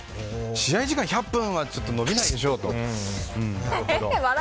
試合時間１００分はちょっと延びないでしょうと。